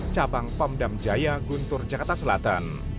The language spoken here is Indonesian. cabang pomdam jaya guntur jakarta selatan